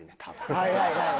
はいはいはいはい。